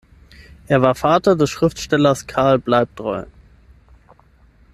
Er war Vater des Schriftstellers Karl Bleibtreu.